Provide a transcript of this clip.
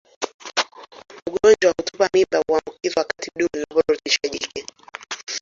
Ugonjwa wa kutupa mimba huambukizwa wakati dume linaporutubisha jike